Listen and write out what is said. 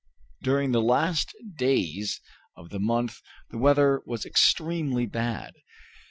During the last days of the month the weather was extremely bad.